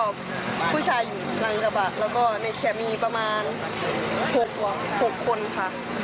ผู้ชายอยู่นั่งกระบะในแคมีประมาณ๖คนค่ะ